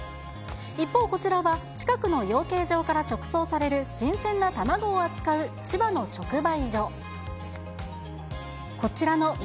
一方、こちらは近くの養鶏場から直送される新鮮な卵を扱う千葉の直売所。